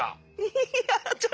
いやちょっと。